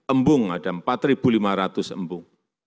embung ada empat lima ratus embung